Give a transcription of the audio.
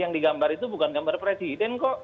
yang digambar itu bukan gambar presiden kok